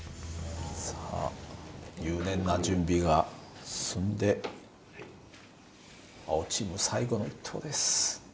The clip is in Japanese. さあ入念な準備が済んで青チーム最後の１投です。